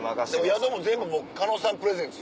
宿も全部狩野さんプレゼンツ？